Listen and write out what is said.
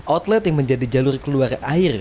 outlet yang menjadi jalur keluar air